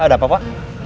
ya ada apa pak